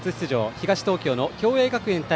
東東京の共栄学園対